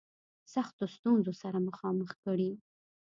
سختو ستونزو سره مخامخ کړي.